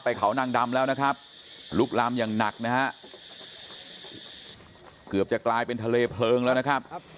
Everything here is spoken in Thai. เขานางดำแล้วนะครับลุกลามอย่างหนักนะฮะเกือบจะกลายเป็นทะเลเพลิงแล้วนะครับ